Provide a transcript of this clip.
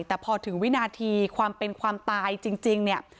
แต่พอถึงวินาทีความเป็นความตายจริงเนี่ย